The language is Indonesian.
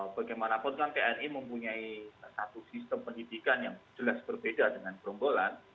bagaimanapun kan tni mempunyai satu sistem pendidikan yang jelas berbeda dengan gerombolan